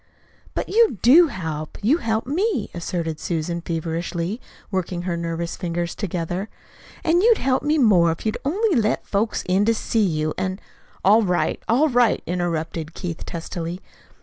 "But you do help. You help me," asserted Susan feverishly, working her nervous fingers together. "An' you'd help me more if you'd only let folks in to see you, an' " "All right, all right," interrupted Keith testily.